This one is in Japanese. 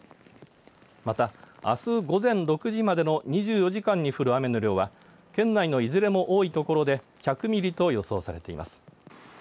また、あす午前６時までの２４時間に降る雨の量は県内のいずれも多い所で１００ミリと予想されています。